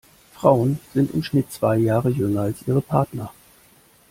Frauen sind im Schnitt zwei Jahre jünger als ihre Partner.